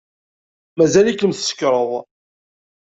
Mazal-ikem tsekṛed.